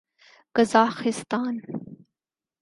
Kazakhstan